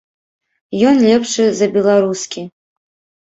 Ён лепшы за беларускі.